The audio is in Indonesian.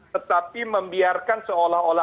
tetapi membiarkan seolah olah